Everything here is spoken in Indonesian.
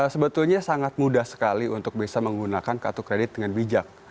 sebetulnya sangat mudah sekali untuk bisa menggunakan kartu kredit dengan bijak